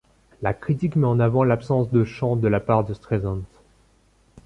La critique met en avant l'absence de chants de la part de Streisand.